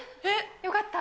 よかった？